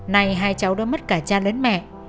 này hai cháu đã mất cả cha đến mẹ